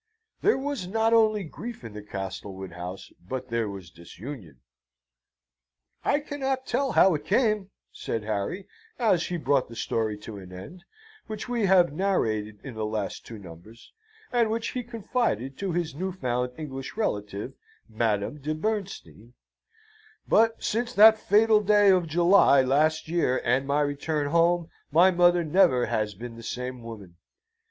There was not only grief in the Castlewood House, but there was disunion. "I cannot tell how it came," said Harry, as he brought the story to an end, which we have narrated in the last two numbers, and which he confided to his new found English relative, Madame de Bernstein; "but since that fatal day of July, last year, and my return home, my mother never has been the same woman.